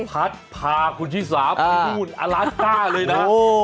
พัดพาคุณที่สาวพรุ่งอลาสก้าเลยนะ